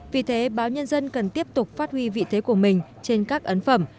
vì thế báo nhân dân cần tiếp tục phát huy vị thế của mình trên các ấn phẩm